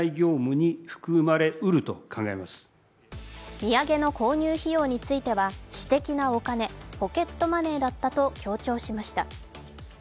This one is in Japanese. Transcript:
土産の購入費用については私的なお金＝ポケットマネーだったと強調しました。